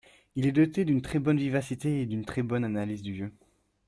Il est doté d'une très bonne vivacité et d'une très bonne analyse du jeu.